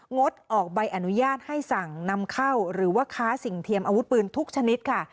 งดออกใบอนุญาตให้สั่งนำเข้าหรือว่าค้าสิ่งเทียมอาวุธปืนทุกชนิดค่ะ